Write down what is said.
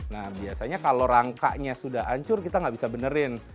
nah biasanya kalau rangkanya sudah hancur kita nggak bisa benerin